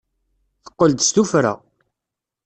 Teqqel-d s tuffra.